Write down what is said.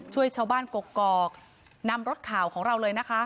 ช่วยชาวบ้านกกอกนำรถข่าวของเราเลยนะคะ